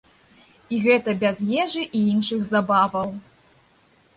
І гэта без ежы і іншых забаваў.